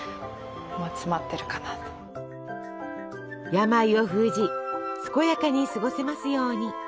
病を封じ健やかに過ごせますように。